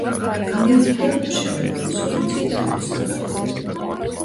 გამოვლინდა მშენებლობის ორი ძირითადი საფეხური.